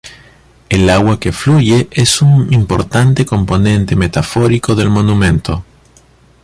El agua que fluye es un importante componente metafórico del monumento.